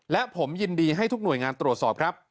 และผมยินดีให้ทุกหน่วยงานตรวจสอบครับ